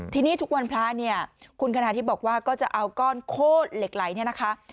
ทีนี้ทุกวันพระเนี่ยคุณคณาธิบบอกว่าก็จะเอาก้อนโคตรเหล็กไหลเนี่ยนะคะ